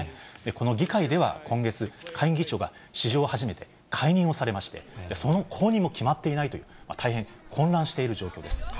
この議会では今月、下院議長が史上初めて解任をされまして、その後任も決まっていないという、大変混乱している状況です。